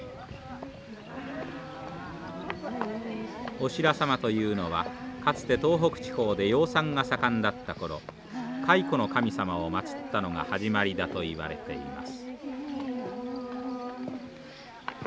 オシラ様というのはかつて東北地方で養蚕が盛んだった頃蚕の神様を祭ったのが始まりだといわれています。